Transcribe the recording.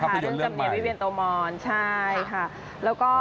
ท่าประโยชน์เรื่องใหม่ใช่ค่ะแล้วก็